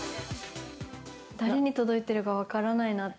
誰に届いているか分からないなって。